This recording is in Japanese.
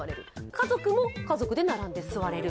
家族も家族で並んで座れる。